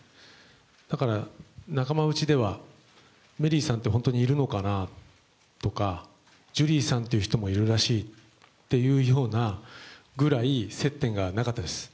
だから、仲間内ではメリーさんって本当にいるのかなとか、ジュリーさんという人もいるらしいというようなぐらい接点がなかったです。